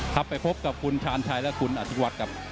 ครับไปพบกับคุณชาญชัยและคุณอธิวัฒน์ครับ